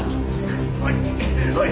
おいおい！